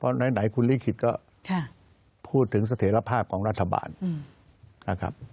ไหนคุณลิขิตก็พูดถึงเสถียรภาพของรัฐบาลนะครับ